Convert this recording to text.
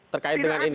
terkait dengan ini